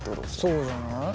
そうじゃない？